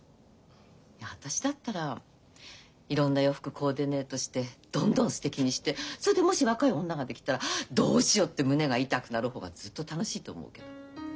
私だったらいろんな洋服コーディネートしてどんどんすてきにしてそれでもし若い女ができたらどうしようって胸が痛くなる方がずっと楽しいと思うけど。